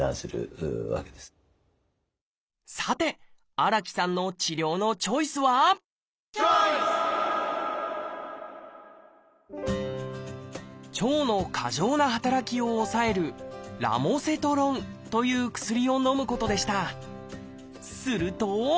荒木さんの治療のチョイスは腸の過剰な働きを抑える「ラモセトロン」という薬をのむことでした。